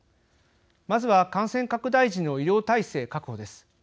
まずは、感染拡大時の医療体制確保です。